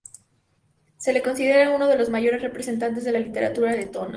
Se le considera uno de los mayores representantes de la literatura letona.